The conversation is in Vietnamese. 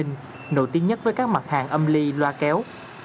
nổi tiếng nhất với các mặt hàng âm ly loa kéo